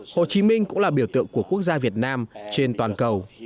hồ chí minh cũng là biểu tượng của quốc gia việt nam trên toàn cầu